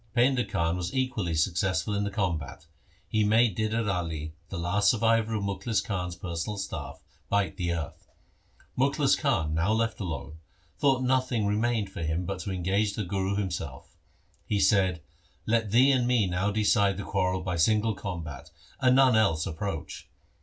Painda Khan was equally successful in the combat. He made Didar Ali, the last survivor of Mukhlis Khan's personal staff, bite the earth. Mukhlis Khan, now left alone, thought nothing remained for him but to engage the Guru himself. He said, ' Let thee and me now decide the quarrel by single combat, and none else approach.'